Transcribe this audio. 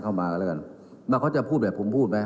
เขาจะพูดแบบผมพูดไหม